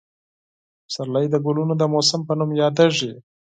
پسرلی د ګلونو د موسم په نوم یادېږي.